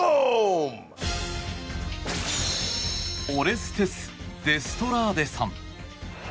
オレステス・デストラーデさん。